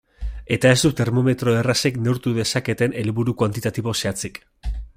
Eta ez du termometro errazek neurtu dezaketen helburu kuantitatibo zehatzik.